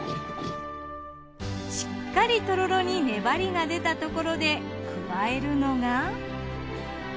しっかりとろろに粘りが出たところで加えるのが。